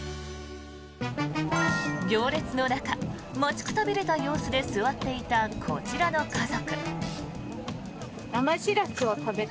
行列の中、待ちくたびれた様子で座っていたこちらの家族。